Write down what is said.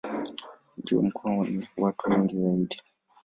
Ndio mkoa wenye watu wengi zaidi.